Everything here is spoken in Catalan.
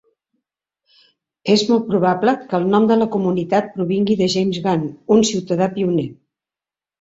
És molt probable que el nom de la comunitat provingui de James Gunn, un ciutadà pioner.